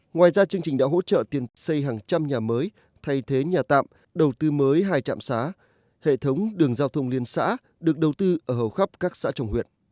ngoài ra chương trình đã hỗ trợ tiền xây hàng trăm nhà mới thay thế nhà tạm đầu tư mới hai trạm xá hệ thống đường giao thông liên xã được đầu tư ở hầu khắp các xã trong huyện